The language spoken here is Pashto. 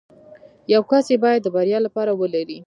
يو کس يې بايد د بريا لپاره ولري.